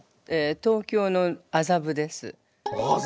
東京の麻布です。